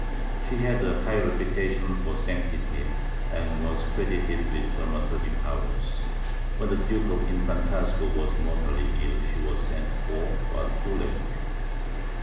She had a high reputation for sanctity and was credited with thaumaturgic powers; when the Duke del Infantazgo was mortally ill, she was sent for, but too late.